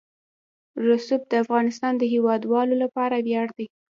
رسوب د افغانستان د هیوادوالو لپاره ویاړ دی.